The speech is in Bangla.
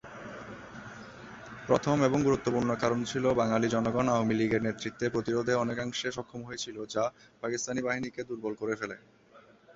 প্রথম এবং গুরুত্বপূর্ণ কারণ ছিল বাঙালি জনগণ আওয়ামী লীগের নেতৃত্বে প্রতিরোধে অনেকাংশে সক্ষম হয়েছিল যা পাকিস্তানি বাহিনীকে দুর্বল করে ফেলে।